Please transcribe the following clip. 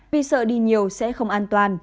vì sợ đi nhiều sẽ không an toàn